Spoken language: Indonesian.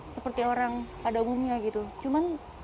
seperti orang pada umumnya gitu cuman